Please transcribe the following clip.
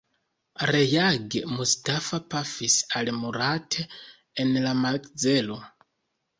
Reage, Mustafa pafis al Murat en la makzelo.